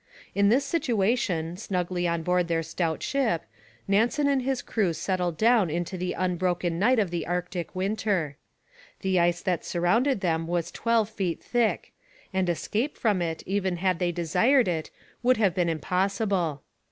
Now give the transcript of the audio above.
In this situation, snugly on board their stout ship, Nansen and his crew settled down into the unbroken night of the Arctic winter. The ice that surrounded them was twelve feet thick, and escape from it, even had they desired it, would have been impossible.